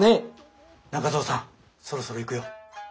中蔵さんそろそろ行くよ。